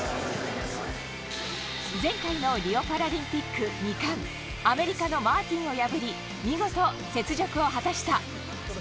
前回のリオパラリンピック２冠、アメリカのマーティンを破り、見事雪辱を果たした。